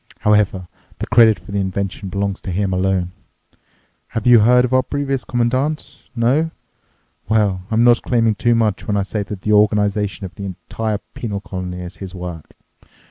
However, the credit for the invention belongs to him alone. Have you heard of our previous Commandant? No? Well, I'm not claiming too much when I say that the organization of the entire penal colony is his work.